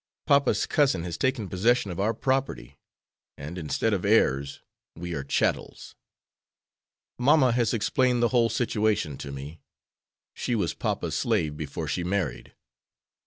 Papa's cousin has taken possession of our property, and instead of heirs we are chattels. Mamma has explained the whole situation to me. She was papa's slave before she married.